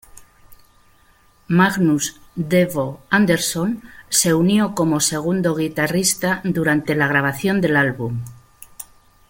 Magnus "Devo" Andersson se unió como segundo guitarrista durante la grabación del álbum.